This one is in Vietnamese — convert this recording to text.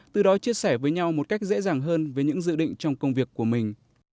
từ đó chia sẻ với nhau một cách dễ dàng hơn với những dự định trong công việc của mình